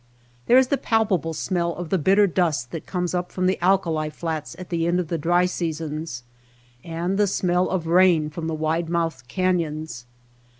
There is the palpable smell of the bitter dust that comes up from the alkali flats at the end of the dry seasons, and the smell of rain from the wide mouthed cafions.